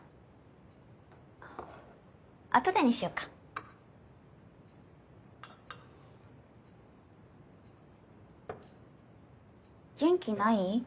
あとでにしよっか元気ない？